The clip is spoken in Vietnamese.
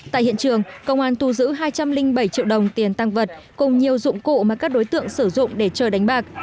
tại hiện trường công an thu giữ hai trăm linh bảy triệu đồng tiền tăng vật cùng nhiều dụng cụ mà các đối tượng sử dụng để chờ đánh bạc